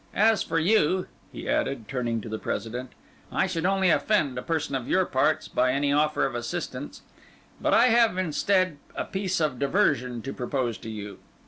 As for you," he added, turning to the President, "I should only offend a person of your parts by any offer of assistance; but I have instead a piece of diversion to propose to you.